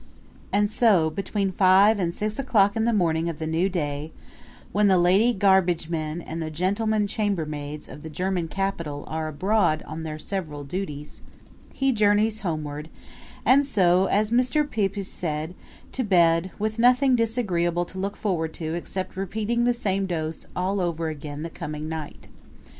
And so, between five and six o'clock in the morning of the new day, when the lady garbagemen and the gentlemen chambermaids of the German capital are abroad on their several duties, he journeys homeward, and so, as Mr. Pepys says, to bed, with nothing disagreeable to look forward to except repeating the same dose all over again the coming night.